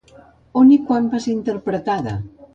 On i quan va ser interpretada?